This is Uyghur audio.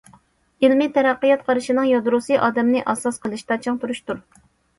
ئىلمىي تەرەققىيات قارىشىنىڭ يادروسى ئادەمنى ئاساس قىلىشتا چىڭ تۇرۇشتۇر.